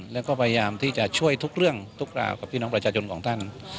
แล้วก็พยายามที่จะช่วยทุกเรื่องทุกราวกับพี่น้องประชาชนของท่าน